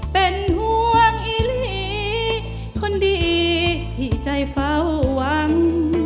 เป็นห่วงอีหลีคนดีที่ใจเฝ้าหวัง